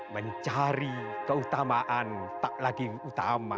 mencari keutamaan tak lagi utama